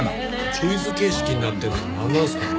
クイズ形式になってるのなんなんすかね？